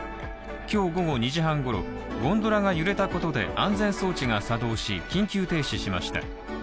今日午後２時半ごろ、ゴンドラが揺れたことで安全装置が作動し緊急停止しました。